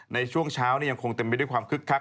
ในช่วงเช้ายังคงเต็มไปด้วยความคึกคัก